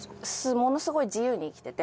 ものすごい自由に生きてて。